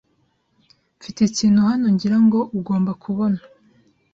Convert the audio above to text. Mfite ikintu hano ngira ngo ugomba kubona